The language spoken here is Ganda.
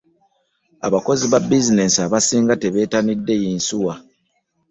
Abakozi ba bizinensi abasinga tebettanidde yinsuwa